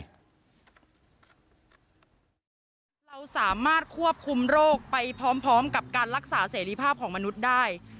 เราสามารถควบคุมโรคไปพร้อมกับการรักษาเสรีภาพของมนุษย์ได้